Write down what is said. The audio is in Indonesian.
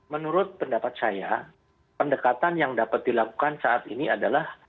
menurut pendapat saya pendekatan yang dapat dilakukan saat ini adalah